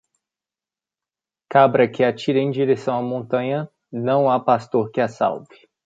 Cabra que atira em direção à montanha, não há pastor que a salve.